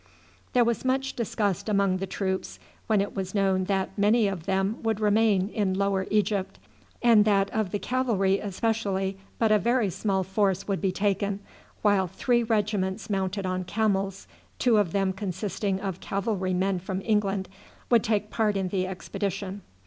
There was much disgust among the troops when it was known that many of them would remain in Lower Egypt, and that of the cavalry especially but a very small force would be taken, while three regiments mounted on camels, two of them consisting of cavalry men from England, would take part in the expedition.